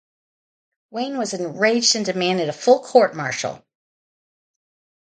Wayne was enraged and demanded a full court-martial.